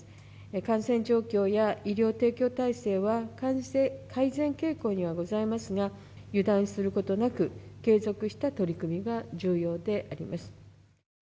感染状況や医療提供体制は、改善傾向にはございますが、油断することなく、継続した取り組みが重要であります。